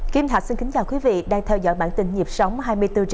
kim thạch xin kính chào quý vị đang theo dõi bản tin nhịp sóng hai mươi bốn h bảy